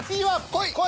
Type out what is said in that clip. こい！